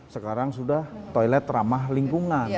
sekarang sudah toilet ramah lingkungan